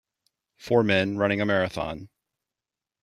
Four men running a marathon.